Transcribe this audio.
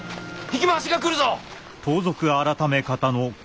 引廻しが来るぞ！